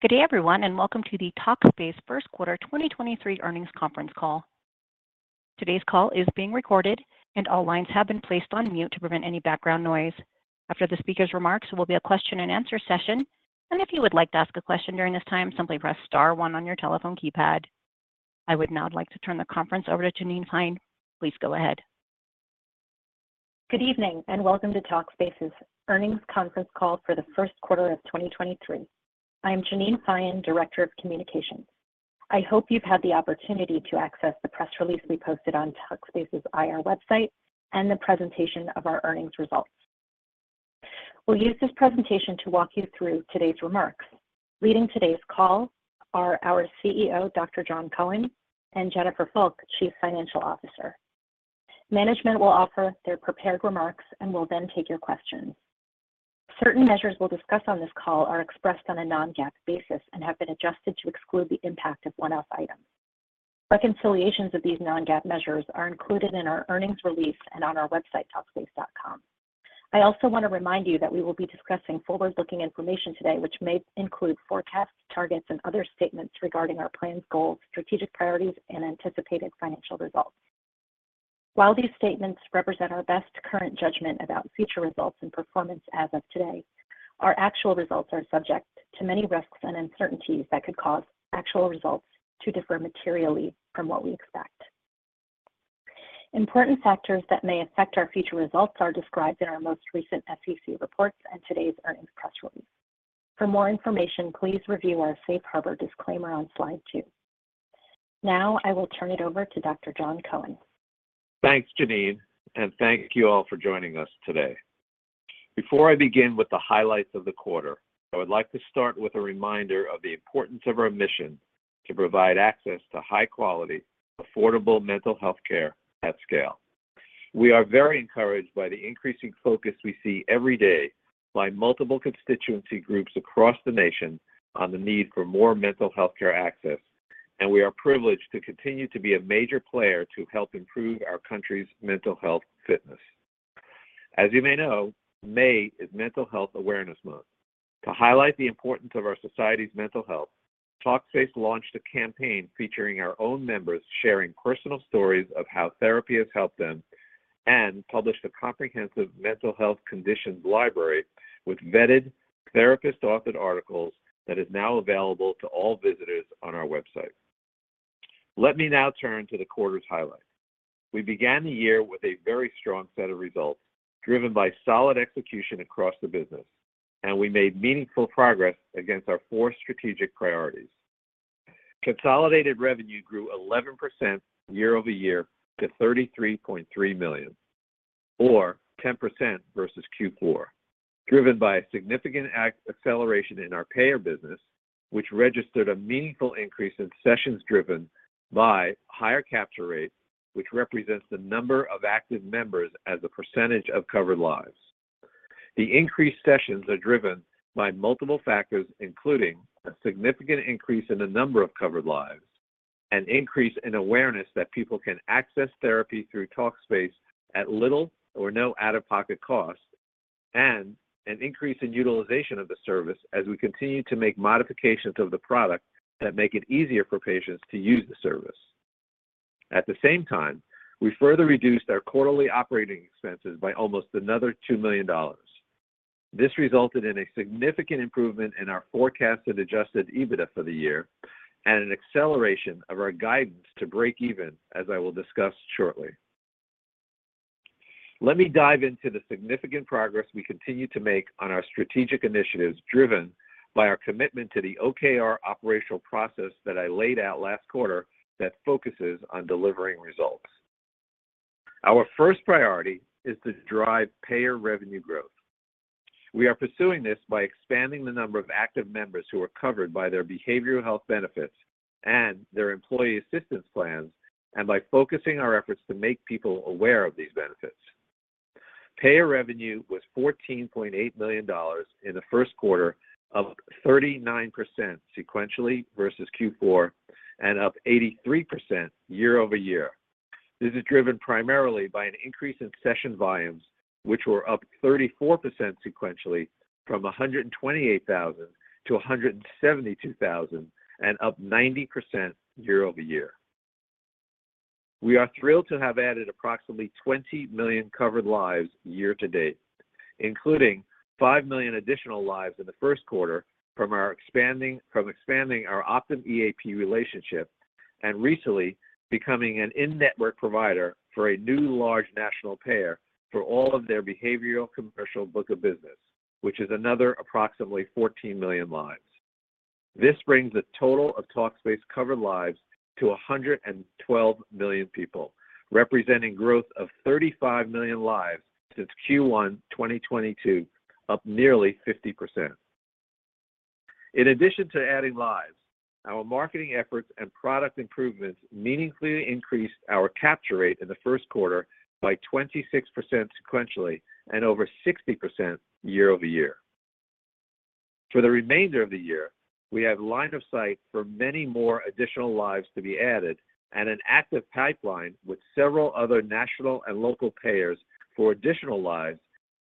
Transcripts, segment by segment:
Good day, everyone, welcome to the Talkspace first quarter 2023 earnings conference call. Today's call is being recorded, all lines have been placed on mute to prevent any background noise. After the speaker's remarks, will be a question and answer session. If you would like to ask a question during this time, simply press star one on your telephone keypad. I would now like to turn the conference over to Jeannine Feyen.Please go ahead. Good evening, welcome to Talkspace's earnings conference call for the first quarter of 2023. I am Jeannine Feyen, Director of Communications. I hope you've had the opportunity to access the press release we posted on Talkspace's IR website and the presentation of our earnings results. We'll use this presentation to walk you through today's remarks. Leading today's call are our CEO, Dr.Jon Cohen, Jennifer Fulk, Chief Financial Officer. Management will offer their prepared remarks and will then take your questions. Certain measures we'll discuss on this call are expressed on a non-GAAP basis and have been adjusted to exclude the impact of one-off items. Reconciliations of these non-GAAP measures are included in our earnings release and on our website, talkspace.com. I also want to remind you that we will be discussing forward-looking information today, which may include forecasts, targets, and other statements regarding our plans, goals, strategic priorities, and anticipated financial results. While these statements represent our best current judgment about future results and performance as of today, our actual results are subject to many risks and uncertainties that could cause actual results to differ materially from what we expect. Important factors that may affect our future results are described in our most recent SEC reports and today's earnings press release. For more information, please review our safe harbor disclaimer on slide two. Now I will turn it over to Dr. Jon Cohen. Thanks, Jeannine, and thank you all for joining us today. Before I begin with the highlights of the quarter, I would like to start with a reminder of the importance of our mission to provide access to high-quality, affordable mental health care at scale. We are very encouraged by the increasing focus we see every day by multiple constituency groups across the nation on the need for more mental health care access, and we are privileged to continue to be a major player to help improve our country's mental health fitness. As you may know, May is Mental Health Awareness Month. To highlight the importance of our society's mental health, Talkspace launched a campaign featuring our own members sharing personal stories of how therapy has helped them and published a comprehensive mental health conditions library with vetted therapist-authored articles that is now available to all visitors on our website. Let me now turn to the quarter's highlights. We began the year with a very strong set of results driven by solid execution across the business, and we made meaningful progress against our four strategic priorities. Consolidated revenue grew 11% year-over-year to $33.3 million, or 10% versus Q4, driven by a significant acceleration in our payor business, which registered a meaningful increase in sessions driven by higher capture rates, which represents the number of active members as a percentage of covered lives. The increased sessions are driven by multiple factors, including a significant increase in the number of covered lives, an increase in awareness that people can access therapy through Talkspace at little or no out-of-pocket cost, and an increase in utilization of the service as we continue to make modifications of the product that make it easier for patients to use the service. At the same time, we further reduced our quarterly operating expenses by almost another $2 million. This resulted in a significant improvement in our forecasted adjusted EBITDA for the year and an acceleration of our guidance to breakeven, as I will discuss shortly. Let me dive into the significant progress we continue to make on our strategic initiatives driven by our commitment to the OKR operational process that I laid out last quarter that focuses on delivering results. Our first priority is to drive payor revenue growth. We are pursuing this by expanding the number of active members who are covered by their behavioral health benefits and their employee assistance plans, and by focusing our efforts to make people aware of these benefits. Payor revenue was $14.8 million in the first quarter, up 39% sequentially versus Q4, and up 83% year-over-year. This is driven primarily by an increase in session volumes, which were up 34% sequentially from 128,000 to 172,000 and up 90% year-over-year. We are thrilled to have added approximately 20 million covered lives year to date, including 5 million additional lives in the first quarter from expanding our Optum EAP relationship and recently becoming an in-network provider for a new large national payer for all of their behavioral commercial book of business, which is another approximately 14 million lives. This brings a total of Talkspace covered lives to 112 million people, representing growth of 35 million lives since Q1 2022, up nearly 50%. In addition to adding lives, our marketing efforts and product improvements meaningfully increased our capture rate in the first quarter by 26% sequentially and over 60% year-over-year. For the remainder of the year. We have line of sight for many more additional lives to be added and an active pipeline with several other national and local payors for additional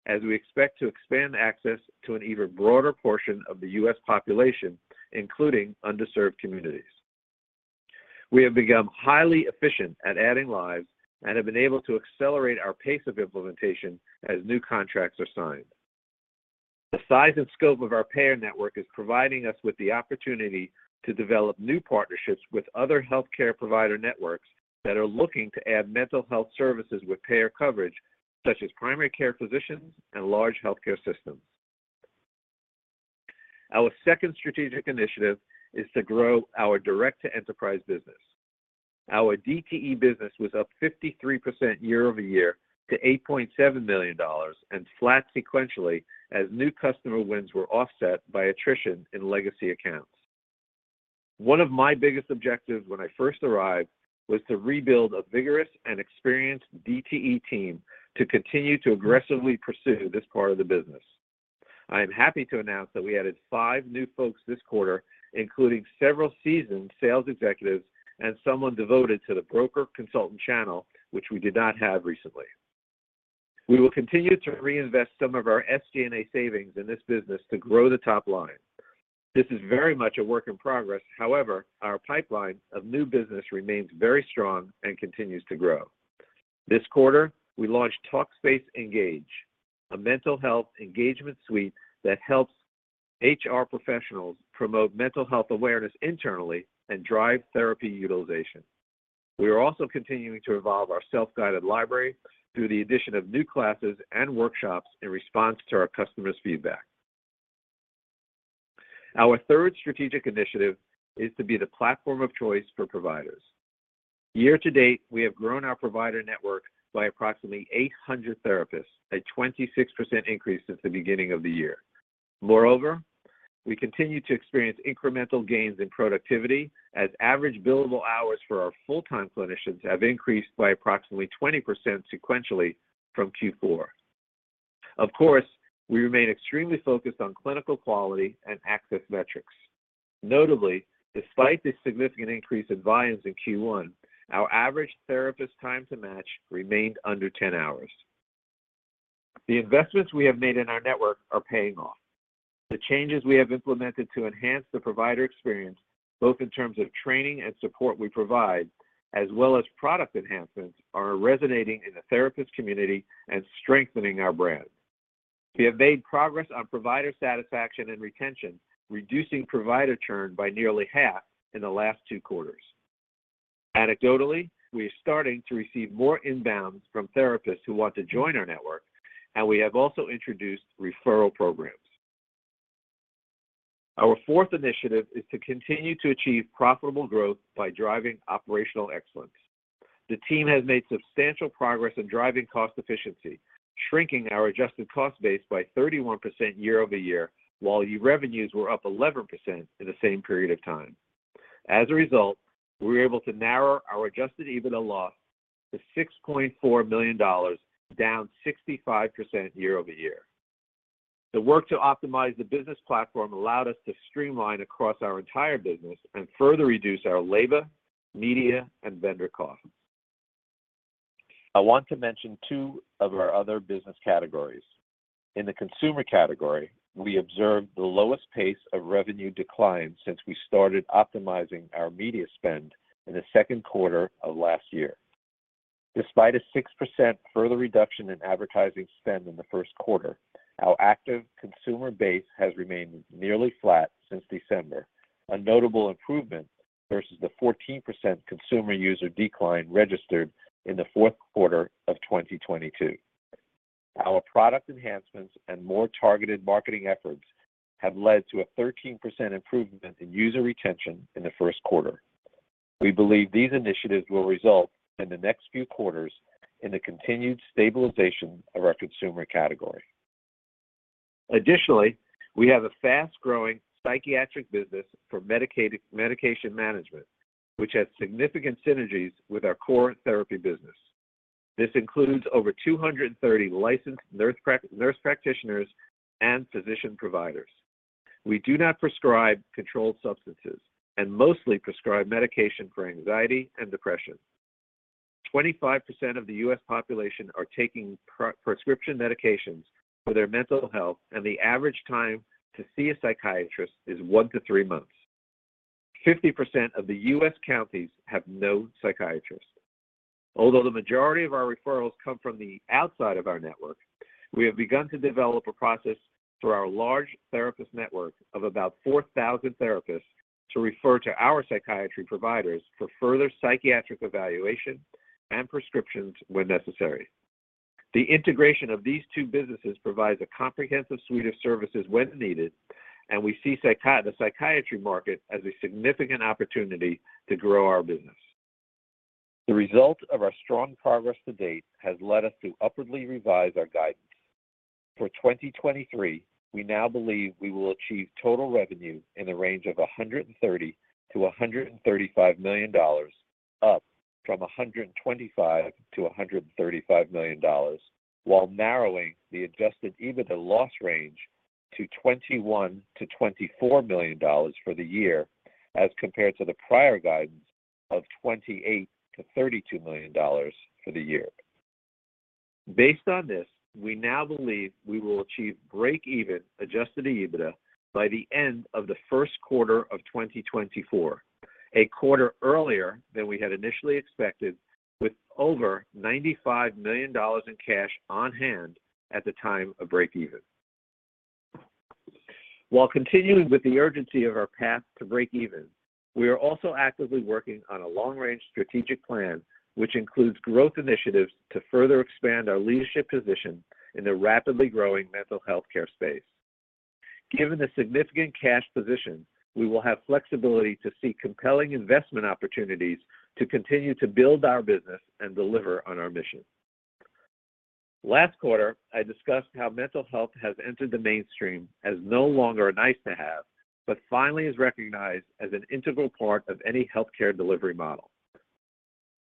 lives as we expect to expand access to an even broader portion of the U.S. population, including underserved communities. We have become highly efficient at adding lives and have been able to accelerate our pace of implementation as new contracts are signed. The size and scope of our payor network is providing us with the opportunity to develop new partnerships with other healthcare provider networks that are looking to add mental health services with payor coverage, such as primary care physicians and large healthcare systems. Our second strategic initiative is to grow our direct to enterprise business. Our DTE business was up 53% year-over-year to $8.7 million and flat sequentially as new customer wins were offset by attrition in legacy accounts. One of my biggest objectives when I first arrived was to rebuild a vigorous and experienced DTE team to continue to aggressively pursue this part of the business. I am happy to announce that we added five new folks this quarter, including several seasoned sales executives and someone devoted to the broker consultant channel, which we did not have recently. We will continue to reinvest some of our SG&A savings in this business to grow the top line. This is very much a work in progress. Our pipeline of new business remains very strong and continues to grow. This quarter, we launched Talkspace Engage, a mental health engagement suite that helps HR professionals promote mental health awareness internally and drive therapy utilization. We are also continuing to evolve our self-guided library through the addition of new classes and workshops in response to our customers' feedback. Our third strategic initiative is to be the platform of choice for providers. Year to date, we have grown our provider network by approximately 800 therapists, a 26% increase since the beginning of the year. We continue to experience incremental gains in productivity as average billable hours for our full-time clinicians have increased by approximately 20% sequentially from Q4. We remain extremely focused on clinical quality and access metrics. Despite the significant increase in volumes in Q1, our average therapist time to match remained under 10 hours. The investments we have made in our network are paying off. The changes we have implemented to enhance the provider experience, both in terms of training and support we provide, as well as product enhancements, are resonating in the therapist community and strengthening our brand. We have made progress on provider satisfaction and retention, reducing provider churn by nearly half in the last two quarters. Anecdotally, we are starting to receive more inbounds from therapists who want to join our network, and we have also introduced referral programs. Our fourth initiative is to continue to achieve profitable growth by driving operational excellence. The team has made substantial progress in driving cost efficiency, shrinking our adjusted cost base by 31% year-over-year, while revenues were up 11% in the same period of time. As a result, we were able to narrow our adjusted EBITDA loss to $6.4 million, down 65% year-over-year. The work to optimize the business platform allowed us to streamline across our entire business and further reduce our labor, media, and vendor costs. I want to mention two of our other business categories. In the consumer category, we observed the lowest pace of revenue decline since we started optimizing our media spend in the second quarter of last year. Despite a 6% further reduction in advertising spend in the first quarter, our active consumer base has remained nearly flat since December, a notable improvement versus the 14% consumer user decline registered in the fourth quarter of 2022. Our product enhancements and more targeted marketing efforts have led to a 13% improvement in user retention in the first quarter. We believe these initiatives will result in the next few quarters in the continued stabilization of our consumer category. Additionally, we have a fast-growing psychiatric business for medication management, which has significant synergies with our core therapy business. This includes over 230 licensed nurse practitioners and physician providers. We do not prescribe controlled substances and mostly prescribe medication for anxiety and depression. 25% of the U.S. population are taking prescription medications for their mental health, and the average time to see a psychiatrist is one-three months. 50% of the U.S. counties have no psychiatrist. Although the majority of our referrals come from the outside of our network, we have begun to develop a process through our large therapist network of about 4,000 therapists to refer to our psychiatry providers for further psychiatric evaluation and prescriptions when necessary. The integration of these two businesses provides a comprehensive suite of services when needed, and we see the psychiatry market as a significant opportunity to grow our business. The result of our strong progress to date has led us to upwardly revise our guidance. For 2023, we now believe we will achieve total revenue in the range of $130 million-$135 million. Up from $125 million-$135 million, while narrowing the adjusted EBITDA loss range to $21 million-$24 million for the year, as compared to the prior guidance of $28 million-$32 million for the year. Based on this, we now believe we will achieve break even adjusted EBITDA by the end of the first quarter of 2024, a quarter earlier than we had initially expected, with over $95 million in cash on hand at the time of break even. While continuing with the urgency of our path to break even, we are also actively working on a long-range strategic plan, which includes growth initiatives to further expand our leadership position in the rapidly growing mental health care space. Given the significant cash position, we will have flexibility to seek compelling investment opportunities to continue to build our business and deliver on our mission. Last quarter, I discussed how mental health has entered the mainstream as no longer a nice-to-have, but finally is recognized as an integral part of any healthcare delivery model.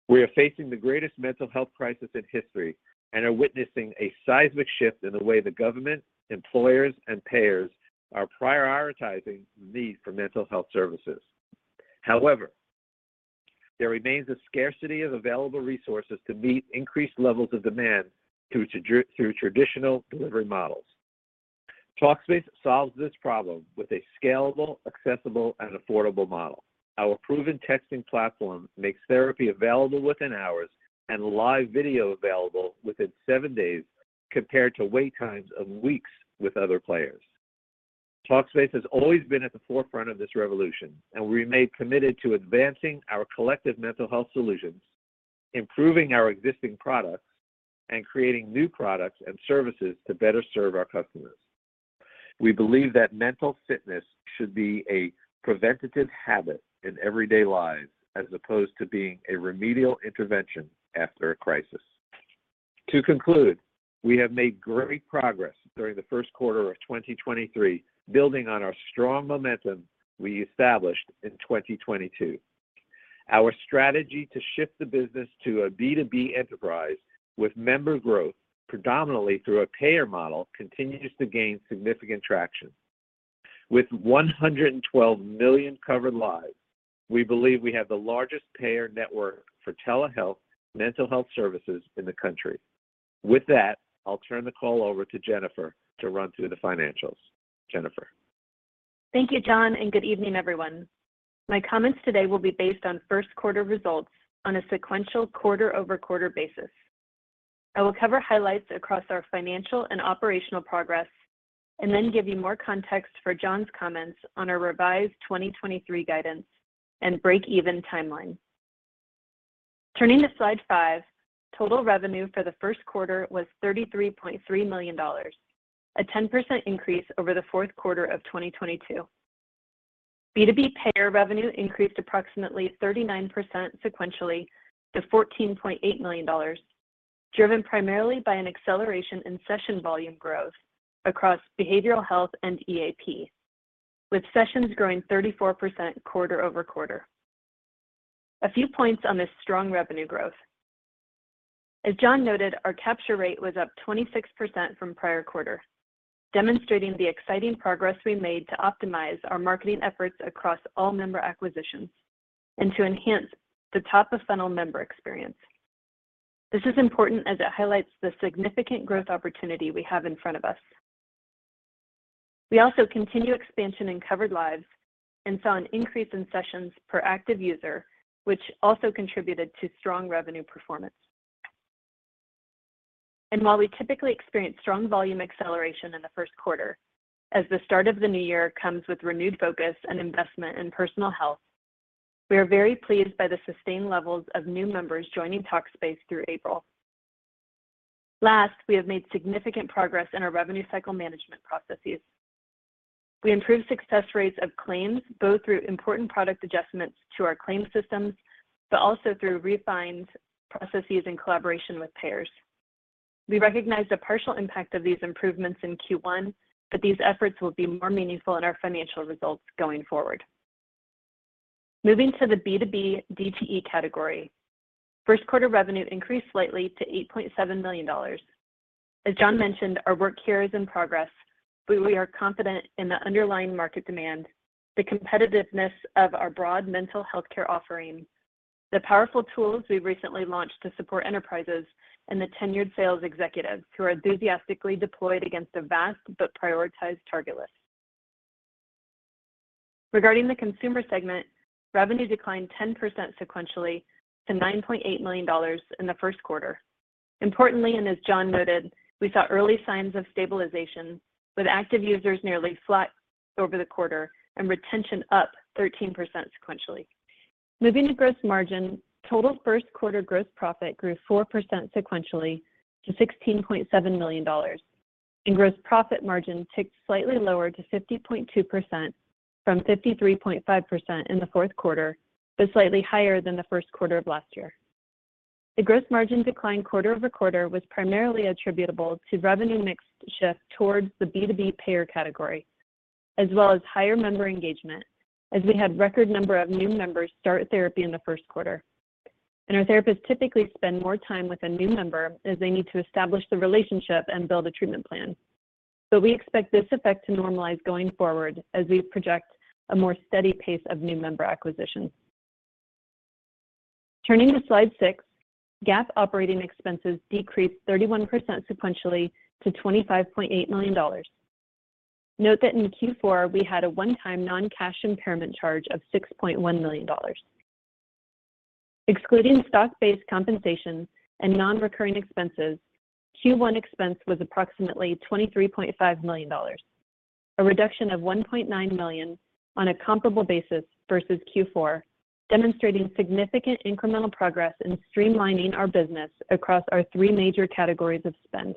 We are facing the greatest mental health crisis in history and are witnessing a seismic shift in the way the government, employers, and payors are prioritizing the need for mental health services. However, there remains a scarcity of available resources to meet increased levels of demand through traditional delivery models. Talkspace solves this problem with a scalable, accessible, and affordable model. Our proven texting platform makes therapy available within hours and live video available within seven days, compared to wait times of weeks with other players. Talkspace has always been at the forefront of this revolution, and we remain committed to advancing our collective mental health solutions, improving our existing products, and creating new products and services to better serve our customers. We believe that mental fitness should be a preventative habit in everyday lives, as opposed to being a remedial intervention after a crisis. To conclude, we have made great progress during the first quarter of 2023, building on our strong momentum we established in 2022. Our strategy to shift the business to a B2B enterprise with member growth predominantly through a payor model, continues to gain significant traction. With 112 million covered lives, we believe we have the largest payor network for telehealth mental health services in the country. With that, I'll turn the call over to Jennifer to run through the financials. Jennifer. Thank you, Jon, good evening, everyone. My comments today will be based on first quarter results on a sequential quarter-over-quarter basis. I will cover highlights across our financial and operational progress and then give you more context for Jon's comments on our revised 2023 guidance and break-even timeline. Turning to slide 5, total revenue for the first quarter was $33.3 million, a 10% increase over the fourth quarter of 2022. B2B payor revenue increased approximately 39% sequentially to $14.8 million, driven primarily by an acceleration in session volume growth across behavioral health and EAP, with sessions growing 34% quarter-over-quarter. A few points on this strong revenue growth. As John noted, our capture rate was up 26% from prior quarter, demonstrating the exciting progress we made to optimize our marketing efforts across all member acquisitions and to enhance the top-of-funnel member experience. This is important as it highlights the significant growth opportunity we have in front of us. We also continue expansion in covered lives and saw an increase in sessions per active user, which also contributed to strong revenue performance. While we typically experience strong volume acceleration in the first quarter, as the start of the new year comes with renewed focus and investment in personal health, we are very pleased by the sustained levels of new members joining Talkspace through April. We have made significant progress in our revenue cycle management processes. We improved success rates of claims, both through important product adjustments to our claim systems, but also through refined processes in collaboration with payors. We recognize the partial impact of these improvements in Q1, but these efforts will be more meaningful in our financial results going forward. Moving to the B2B DTE category, first quarter revenue increased slightly to $8.7 million. As Jon mentioned, our work here is in progress, but we are confident in the underlying market demand, the competitiveness of our broad mental healthcare offering, the powerful tools we recently launched to support enterprises, and the tenured sales executives who are enthusiastically deployed against a vast but prioritized target list. Regarding the consumer segment, revenue declined 10% sequentially to $9.8 million in the first quarter. Importantly, as Jon noted, we saw early signs of stabilization with active users nearly flat over the quarter and retention up 13% sequentially. Moving to gross margin, total first quarter gross profit grew 4% sequentially to $16.7 million, and gross profit margin ticked slightly lower to 50.2% from 53.5% in the fourth quarter, but slightly higher than the first quarter of last year. The gross margin decline quarter-over-quarter was primarily attributable to revenue mix shift towards the B2B payor category, as well as higher member engagement as we had record number of new members start therapy in the first quarter. Our therapists typically spend more time with a new member as they need to establish the relationship and build a treatment plan. We expect this effect to normalize going forward as we project a more steady pace of new member acquisition. Turning to slide 6, GAAP operating expenses decreased 31% sequentially to $25.8 million. Note that in Q4, we had a one-time non-cash impairment charge of $6.1 million. Excluding stock-based compensation and non-recurring expenses, Q1 expense was approximately $23.5 million, a reduction of $1.9 million on a comparable basis versus Q4, demonstrating significant incremental progress in streamlining our business across our three major categories of spend.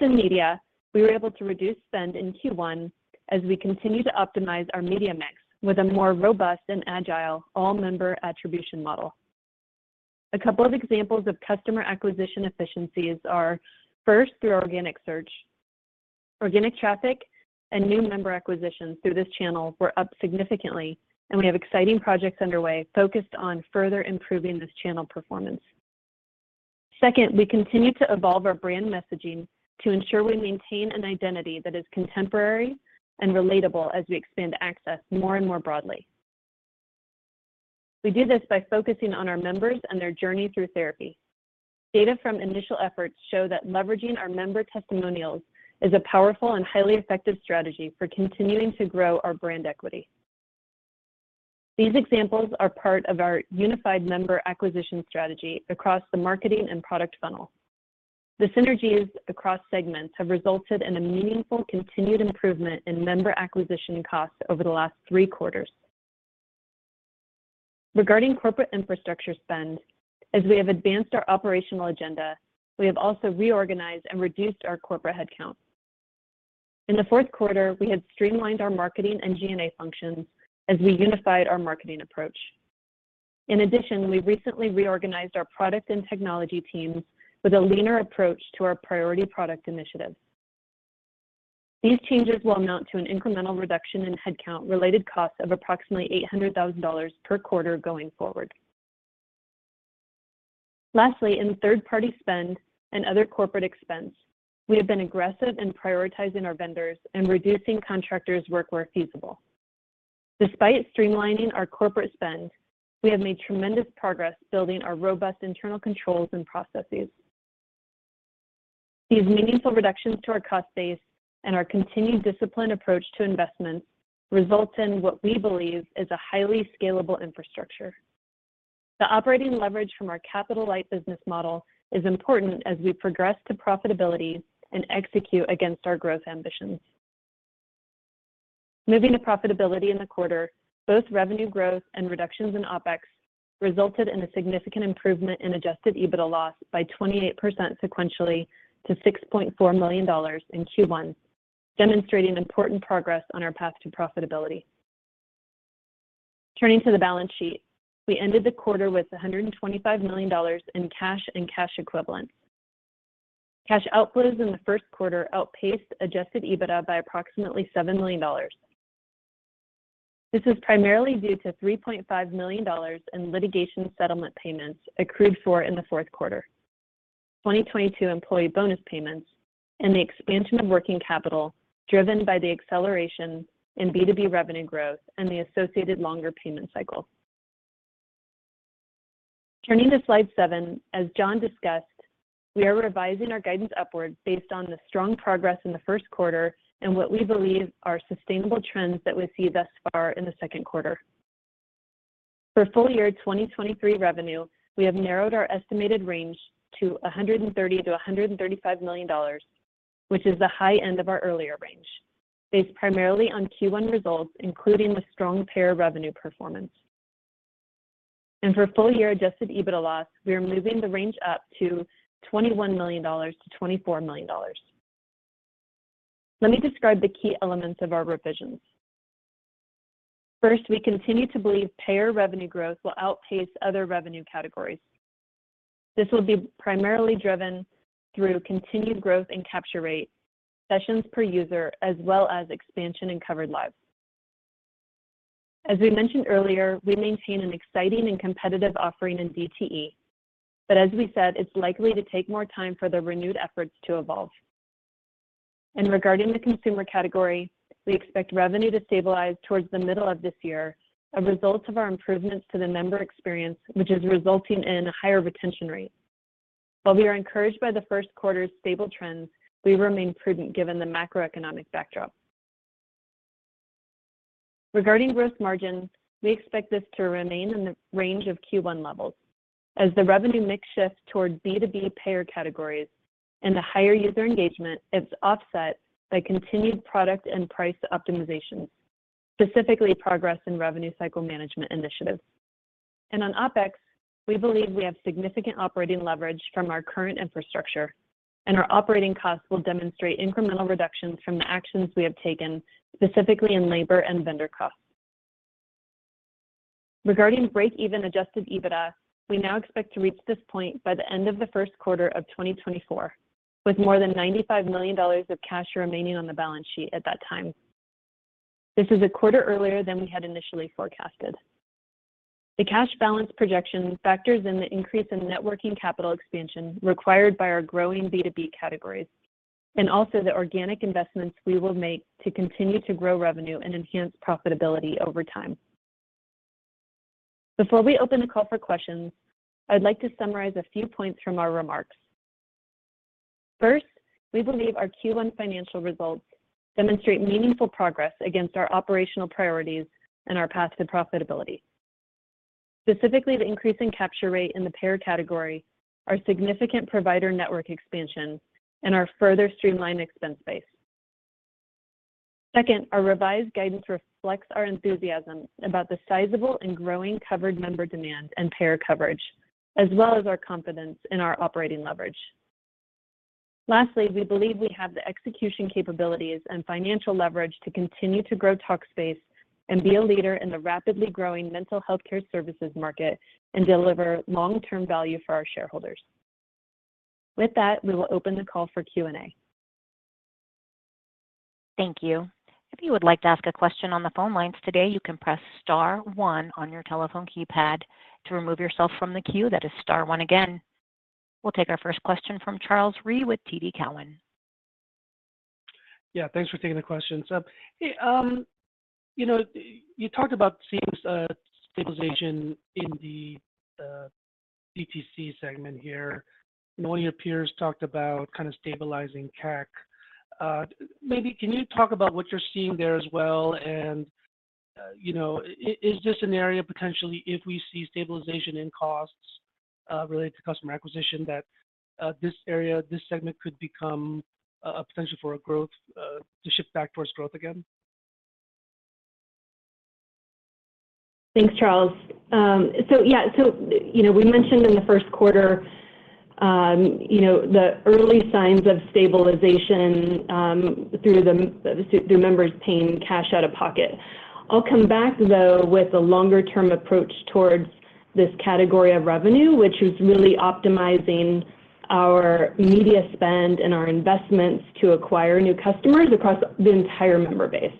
In media, we were able to reduce spend in Q1 as we continue to optimize our media mix with a more robust and agile all-member attribution model. A couple of examples of customer acquisition efficiencies are first through organic search. Organic traffic and new member acquisitions through this channel were up significantly. We have exciting projects underway focused on further improving this channel performance. Second, we continue to evolve our brand messaging to ensure we maintain an identity that is contemporary and relatable as we expand access more and more broadly. We do this by focusing on our members and their journey through therapy. Data from initial efforts show that leveraging our member testimonials is a powerful and highly effective strategy for continuing to grow our brand equity. These examples are part of our unified member acquisition strategy across the marketing and product funnel. The synergies across segments have resulted in a meaningful continued improvement in member acquisition costs over the last 3 quarters. Regarding corporate infrastructure spend, as we have advanced our operational agenda, we have also reorganized and reduced our corporate headcount. In the fourth quarter, we had streamlined our marketing and G&A functions as we unified our marketing approach. We recently reorganized our product and technology teams with a leaner approach to our priority product initiatives. These changes will amount to an incremental reduction in headcount-related costs of approximately $800,000 per quarter going forward. In third-party spend and other corporate expense, we have been aggressive in prioritizing our vendors and reducing contractors' work where feasible. Despite streamlining our corporate spend, we have made tremendous progress building our robust internal controls and processes. These meaningful reductions to our cost base and our continued disciplined approach to investments results in what we believe is a highly scalable infrastructure. The operating leverage from our capital-light business model is important as we progress to profitability and execute against our growth ambitions. Moving to profitability in the quarter, both revenue growth and reductions in OpEx resulted in a significant improvement in adjusted EBITDA loss by 28% sequentially to $6.4 million in Q1, demonstrating important progress on our path to profitability. Turning to the balance sheet, we ended the quarter with $125 million in cash and cash equivalents. Cash outflows in the first quarter outpaced adjusted EBITDA by approximately $7 million. This is primarily due to $3.5 million in litigation settlement payments accrued for in the fourth quarter, 2022 employee bonus payments, and the expansion of working capital driven by the acceleration in B2B revenue growth and the associated longer payment cycle. Turning to slide 7, as Jon discussed, we are revising our guidance upwards based on the strong progress in Q1 and what we believe are sustainable trends that we see thus far in Q2. For full year 2023 revenue, we have narrowed our estimated range to $130 million-$135 million, which is the high end of our earlier range, based primarily on Q1 results, including the strong payor revenue performance. For full year adjusted EBITDA loss, we are moving the range up to $21 million-$24 million. Let me describe the key elements of our revisions. First, we continue to believe payor revenue growth will outpace other revenue categories. This will be primarily driven through continued growth in capture rates, sessions per user, as well as expansion in covered lives. As we mentioned earlier, we maintain an exciting and competitive offering in DTE, but as we said, it's likely to take more time for the renewed efforts to evolve. Regarding the consumer category, we expect revenue to stabilize towards the middle of this year, a result of our improvements to the member experience, which is resulting in higher retention rates. While we are encouraged by the first quarter's stable trends, we remain prudent given the macroeconomic backdrop. Regarding gross margin, we expect this to remain in the range of Q1 levels. As the revenue mix shifts towards B2B payor categories and the higher user engagement is offset by continued product and price optimization, specifically progress in revenue cycle management initiatives. On OpEx, we believe we have significant operating leverage from our current infrastructure. Our operating costs will demonstrate incremental reductions from the actions we have taken, specifically in labor and vendor costs. Regarding breakeven adjusted EBITDA, we now expect to reach this point by the end of the first quarter of 2024, with more than $95 million of cash remaining on the balance sheet at that time. This is a quarter earlier than we had initially forecasted. The cash balance projection factors in the increase in networking capital expansion required by our growing B2B categories, also the organic investments we will make to continue to grow revenue and enhance profitability over time. Before we open the call for questions, I'd like to summarize a few points from our remarks. First, we believe our Q1 financial results demonstrate meaningful progress against our operational priorities and our path to profitability. Specifically, the increase in capture rate in the payor category, our significant provider network expansion, and our further streamlined expense base. Second, our revised guidance reflects our enthusiasm about the sizable and growing covered member demand and payor coverage, as well as our confidence in our operating leverage. Lastly, we believe we have the execution capabilities and financial leverage to continue to grow Talkspace and be a leader in the rapidly growing mental healthcare services market and deliver long-term value for our shareholders. With that, we will open the call for Q&A. Thank you. If you would like to ask a question on the phone lines today, you can press star one on your telephone keypad. To remove yourself from the queue, that is star one again. We'll take our first question from Charles Rhyee with TD Cowen. Yeah. Thanks for taking the questions. Hey, you know, you talked about seeing stabilization in the DTC segment here. Knowing your peers talked about kind of stabilizing CAC, maybe can you talk about what you're seeing there as well and, you know, is this an area potentially if we see stabilization in costs related to customer acquisition that this area, this segment could become a potential for a growth to shift back towards growth again? Thanks, Charles. You know, we mentioned in the first quarter, you know, the early signs of stabilization through members paying cash out of pocket. I'll come back, though, with a longer-term approach towards this category of revenue, which is really optimizing our media spend and our investments to acquire new customers across the entire member base.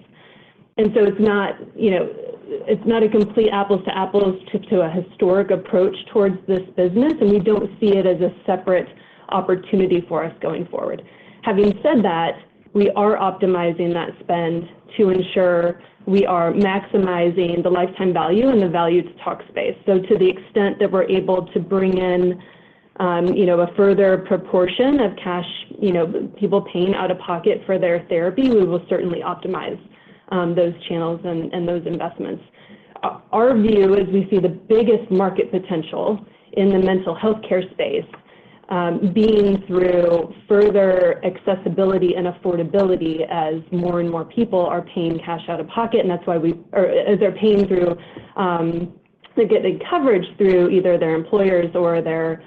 It's not, you know, it's not a complete apples to apples to a historic approach towards this business, and we don't see it as a separate opportunity for us going forward. Having said that, we are optimizing that spend to ensure we are maximizing the lifetime value and the value to Talkspace. To the extent that we're able to bring in, you know, a further proportion of cash, you know, people paying out of pocket for their therapy, we will certainly optimize those channels and those investments. Our view is we see the biggest market potential in the mental healthcare space, being through further accessibility and affordability as more and more people are paying cash out of pocket, as they're paying through to get a coverage through either their employers or their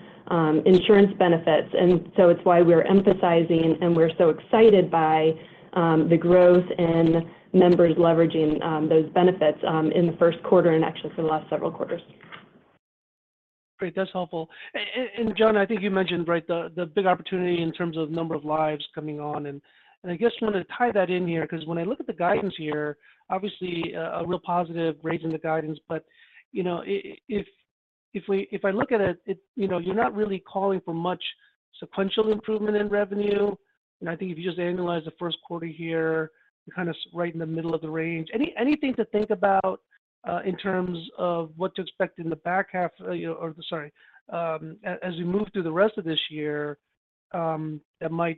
insurance benefits. It's why we're emphasizing and we're so excited by the growth in members leveraging those benefits in the first quarter and actually for the last several quarters. Great. That's helpful. Jon, I think you mentioned, right, the big opportunity in terms of number of lives coming on, and I just wanna tie that in here, 'cause when I look at the guidance here, obviously a real positive raising the guidance. You know, if we, if I look at it... You know, you're not really calling for much sequential improvement in revenue. I think if you just annualize the first quarter here, you're kind of right in the middle of the range. Anything to think about in terms of what to expect in the back half, you know... Sorry, as we move through the rest of this year, that might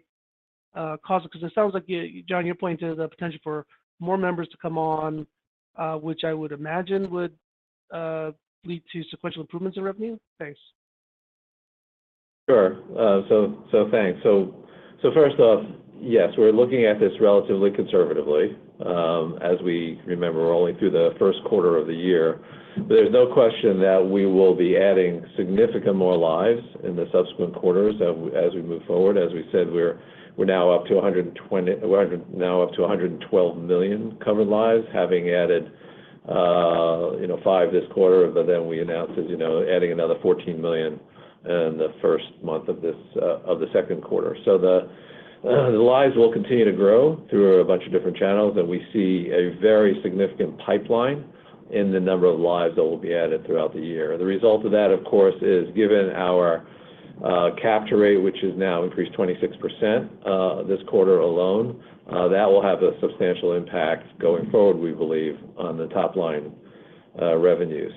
cause it? Cause it sounds like Jon, your point is the potential for more members to come on, which I would imagine would lead to sequential improvements in revenue. Thanks. Sure. Thanks. First off, yes, we're looking at this relatively conservatively, as we remember we're only through the first quarter of the year. There's no question that we will be adding significant more lives in the subsequent quarters as we move forward. As we said, we're now up to 112 million covered lives, having added five this quarter, but then we announced adding another 14 million in the first month of this of the second quarter. The lives will continue to grow through a bunch of different channels, and we see a very significant pipeline in the number of lives that will be added throughout the year. The result of that, of course, is given our capture rate, which has now increased 26%, this quarter alone, that will have a substantial impact going forward, we believe, on the top line revenue.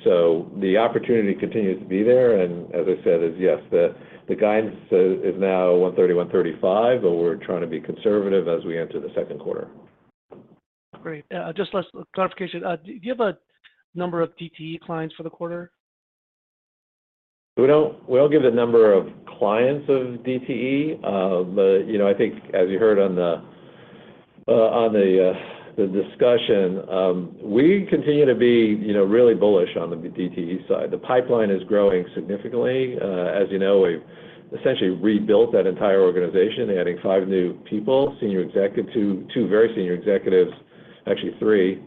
The opportunity continues to be there, and as I said, is yes. The guidance is now $130-$135, but we're trying to be conservative as we enter the second quarter. Great. Just last clarification. Do you have a number of DTE clients for the quarter? We don't give the number of clients of DTE. You know, I think as you heard on the discussion, we continue to be, you know, really bullish on the B2E side. The pipeline is growing significantly. As you know, we've essentially rebuilt that entire organization, adding five new people, two very senior executives, actually three,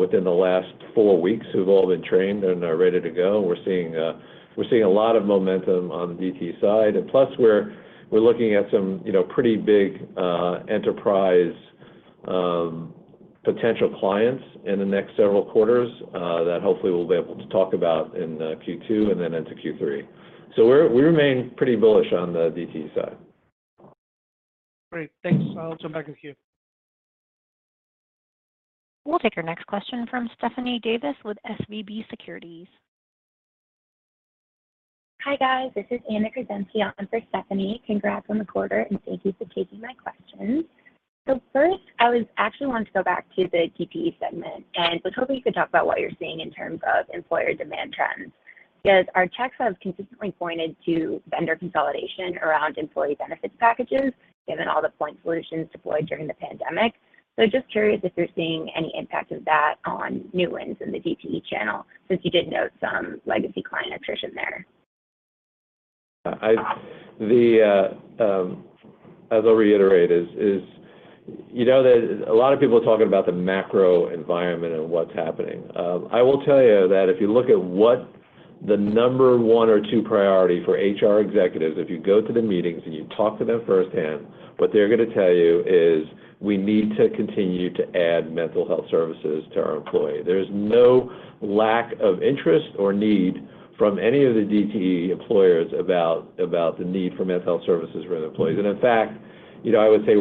within the last four weeks, who've all been trained and are ready to go. We're seeing a lot of momentum on the DTE side. Plus we're looking at some, you know, pretty big enterprise potential clients in the next several quarters, that hopefully we'll be able to talk about in Q2 and then into Q3. We remain pretty bullish on the DTE side. Great. Thanks. I'll jump back in the queue. We'll take our next question from Stephanie Davis with SVB Securities. Hi, guys. This is Anna Kruszenski for Stephanie. Congrats on the quarter, and thank you for taking my questions. First, I actually wanted to go back to the DTE segment and was hoping you could talk about what you're seeing in terms of employer demand trends. Our checks have consistently pointed to vendor consolidation around employee benefits packages, given all the point solutions deployed during the pandemic. Just curious if you're seeing any impact of that on new wins in the DTE channel, since you did note some legacy client attrition there. The as I'll reiterate is you know that a lot of people are talking about the macro environment and what's happening. I will tell you that if you look at what the number one or two priority for HR executives, if you go to the meetings and you talk to them firsthand, what they're gonna tell you is, "We need to continue to add mental health services to our employee." There's no lack of interest or need from any of the DTE employers about the need for mental health services for their employees. In fact, you know, I would say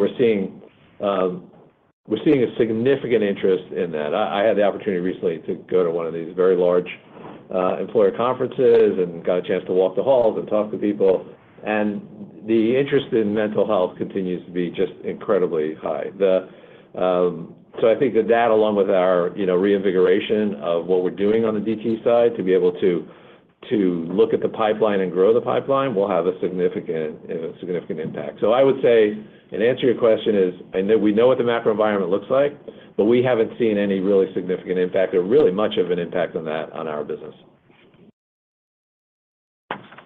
we're seeing a significant interest in that. I had the opportunity recently to go to one of these very large employer conferences and got a chance to walk the halls and talk to people, and the interest in mental health continues to be just incredibly high. I think that, along with our, you know, reinvigoration of what we're doing on the DTE side to be able to look at the pipeline and grow the pipeline, will have a significant impact. I would say, and answer your question is, I know we know what the macro environment looks like, but we haven't seen any really significant impact or much of an impact on that on our business.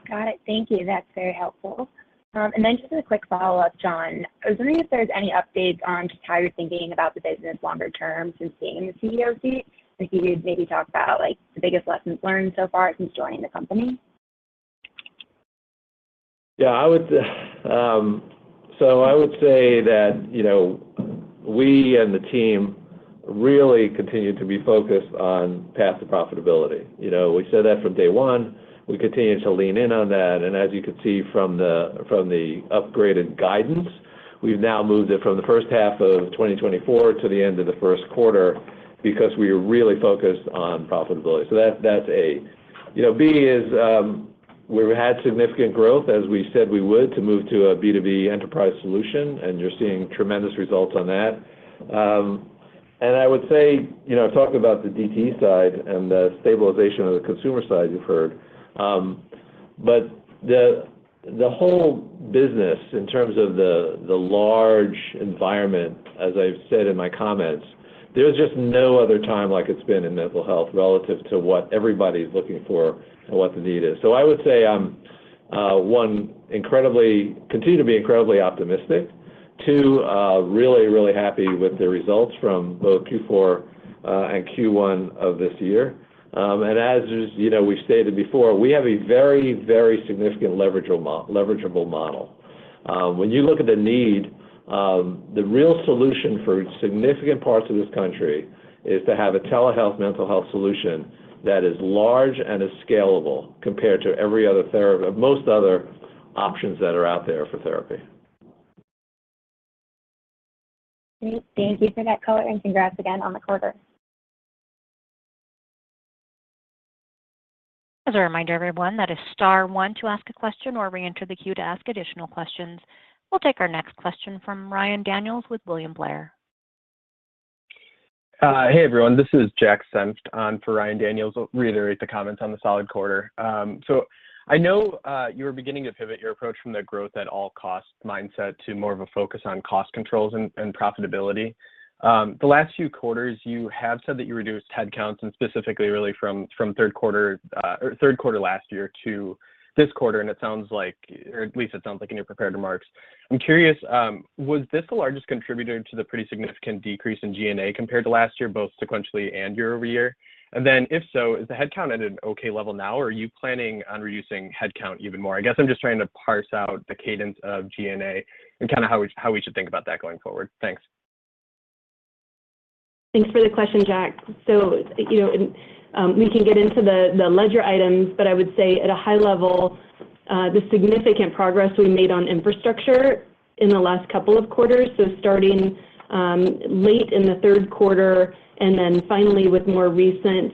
Got it. Thank you. That's very helpful. Then just a quick follow-up, Jon. I was wondering if there's any updates on just how you're thinking about the business longer term since being in the CEO seat? If you could maybe talk about, like, the biggest lessons learned so far since joining the company? Yeah, I would say that, you know, we and the team really continue to be focused on path to profitability. You know, we said that from day one. We continue to lean in on that. As you can see from the upgraded guidance, we've now moved it from the first half of 2024 to the end of the first quarter because we're really focused on profitability. That's, that's A. You know, B is, we've had significant growth, as we said we would, to move to a B2B enterprise solution, and you're seeing tremendous results on that. I would say, you know, talking about the DTE side and the stabilization of the consumer side, you've heard, but the whole business in terms of the large environment, as I've said in my comments, there's just no other time like it's been in mental health relative to what everybody's looking for and what the need is. I would say I'm, one, incredibly continue to be incredibly optimistic. Two, really, really happy with the results from both Q4 and Q1 of this year. As is, you know, we've stated before, we have a very, very significant leverageable model. When you look at the need, the real solution for significant parts of this country is to have a telehealth mental health solution that is large and is scalable compared to most other options that are out there for therapy. Great. Thank you for that color, and congrats again on the quarter. As a reminder, everyone, that is star one to ask a question or reenter the queue to ask additional questions. We'll take our next question from Ryan Daniels with William Blair. Hey, everyone, this is Jack Senft on for Ryan Daniels. I'll reiterate the comments on the solid quarter. I know you were beginning to pivot your approach from the growth at all costs mindset to more of a focus on cost controls and profitability. The last few quarters, you have said that you reduced headcounts and specifically really from third quarter or third quarter last year to this quarter, and it sounds like, or at least it sounds like in your prepared remarks. I'm curious, was this the largest contributor to the pretty significant decrease in G&A compared to last year, both sequentially and year-over-year? If so, is the headcount at an okay level now, or are you planning on reducing headcount even more? I guess I'm just trying to parse out the cadence of G&A and kinda how we, how we should think about that going forward. Thanks. Thanks for the question, Jack. You know, and we can get into the ledger items, but I would say at a high level, the significant progress we made on infrastructure in the last couple of quarters, starting late in the third quarter and then finally with more recent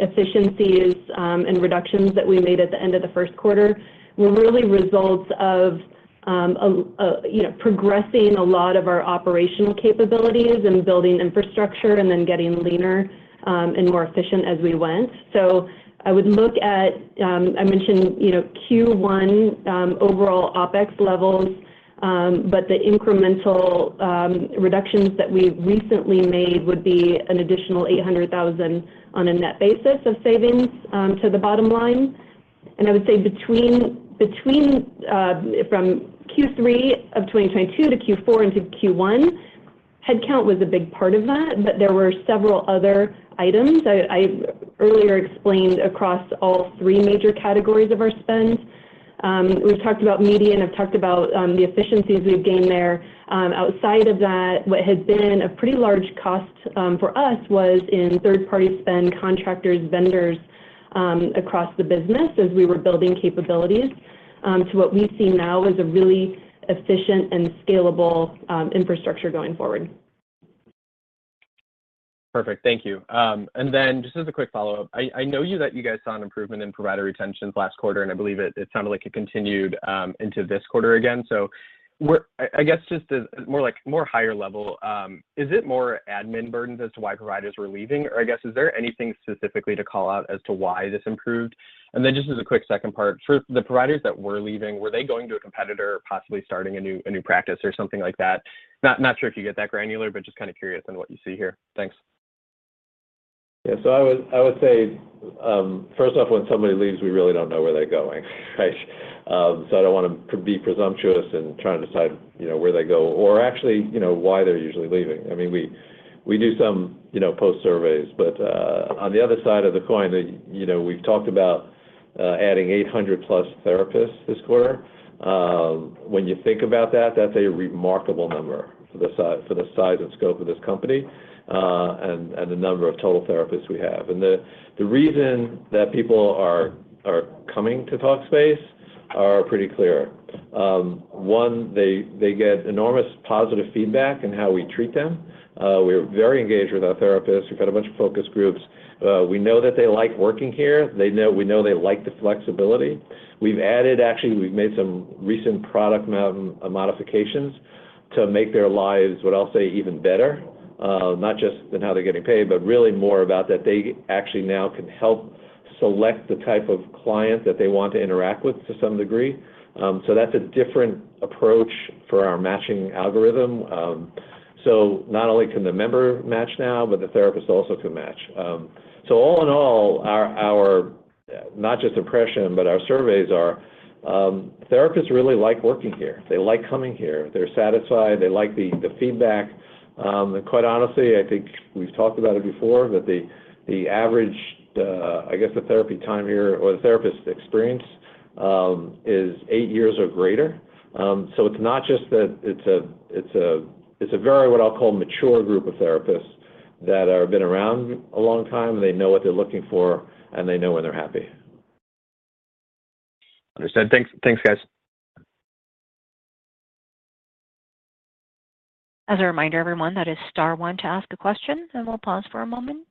efficiencies and reductions that we made at the end of the first quarter, were really results of a, you know, progressing a lot of our operational capabilities and building infrastructure and then getting leaner and more efficient as we went. I would look at, I mentioned, you know, Q1 overall OpEx levels. But the incremental reductions that we've recently made would be an additional $800,000 on a net basis of savings to the bottom line. I would say between from Q3 of 2022 to Q4 into Q1, headcount was a big part of that, but there were several other items. I earlier explained across all three major categories of our spend. We've talked about media, and I've talked about the efficiencies we've gained there. Outside of that, what has been a pretty large cost for us was in third-party spend, contractors, vendors, across the business as we were building capabilities to what we see now as a really efficient and scalable infrastructure going forward. Perfect. Thank you. Just as a quick follow-up, I know you that you guys saw an improvement in provider retention last quarter, and I believe it sounded like it continued into this quarter again. I guess just as more higher level, is it more admin burdens as to why providers were leaving? Or I guess, is there anything specifically to call out as to why this improved? Just as a quick second part, for the providers that were leaving, were they going to a competitor or possibly starting a new practice or something like that? Not sure if you get that granular, but just kind of curious on what you see here. Thanks. I would say, first off, when somebody leaves, we really don't know where they're going, right? I don't wanna be presumptuous in trying to decide, you know, where they go or actually, you know, why they're usually leaving. I mean, we do some, you know, post-surveys. On the other side of the coin, you know, we've talked about adding 800+ therapists this quarter. When you think about that's a remarkable number for the size and scope of this company, and the number of total therapists we have. The reason that people are coming to Talkspace are pretty clear. One, they get enormous positive feedback in how we treat them. We're very engaged with our therapists. We've had a bunch of focus groups. We know that they like working here. We know they like the flexibility. We've added, actually, we've made some recent product modifications to make their lives, what I'll say, even better. Not just in how they're getting paid, but really more about that they actually now can help select the type of client that they want to interact with to some degree. That's a different approach for our matching algorithm. Not only can the member match now, but the therapist also can match. All in all, our not just impression, but our surveys are, therapists really like working here. They like coming here. They're satisfied. They like the feedback. Quite honestly, I think we've talked about it before, but the average, I guess, the therapy tenure or the therapist experience is eight years or greater. It's not just that it's a, it's a, it's a very, what I'll call, mature group of therapists that are been around a long time, and they know what they're looking for, and they know when they're happy. Understood. Thanks, thanks, guys. As a reminder, everyone, that is star 1 to ask a question, and we'll pause for a moment.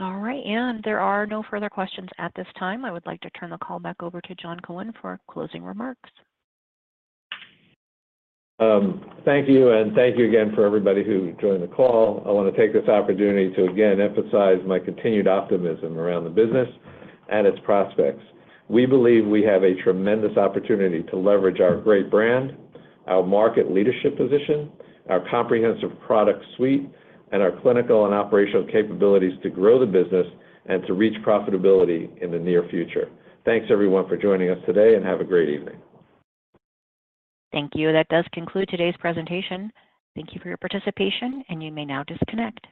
All right. There are no further questions at this time. I would like to turn the call back over to Jon Cohen for closing remarks. Thank you, and thank you again for everybody who joined the call. I wanna take this opportunity to again emphasize my continued optimism around the business and its prospects. We believe we have a tremendous opportunity to leverage our great brand, our market leadership position, our comprehensive product suite, and our clinical and operational capabilities to grow the business and to reach profitability in the near future. Thanks, everyone, for joining us today, and have a great evening. Thank you. That does conclude today's presentation. Thank you for your participation, and you may now disconnect.